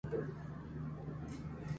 Toda la competición es a partido único.